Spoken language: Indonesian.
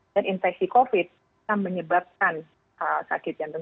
dan infeksi covid sembilan belas bisa menyebabkan sakit jantung